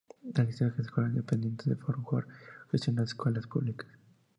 El Distrito Escolar Independiente de Fort Worth gestiona escuelas públicas.